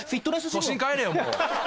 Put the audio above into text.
都心帰れよもう。